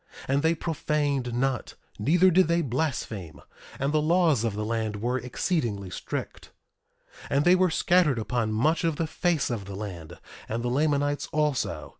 And they profaned not; neither did they blaspheme. And the laws of the land were exceedingly strict. 1:6 And they were scattered upon much of the face of the land, and the Lamanites also.